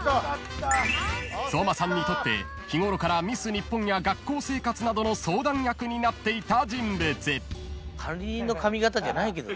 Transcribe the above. ［相馬さんにとって日頃からミス日本や学校生活などの相談役になっていた人物］